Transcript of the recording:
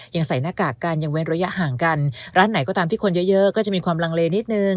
ยังใส่หน้ากากกันยังเว้นระยะห่างกันร้านไหนก็ตามที่คนเยอะเยอะก็จะมีความลังเลนิดนึง